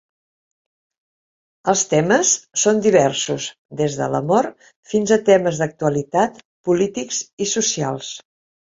Els temes són diversos des de l'amor, fins a temes d'actualitat polítics i socials.